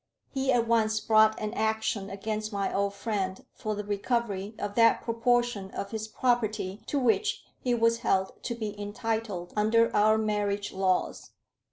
He at once brought an action against my old friend for the recovery of that proportion of his property to which he was held to be entitled under our marriage laws.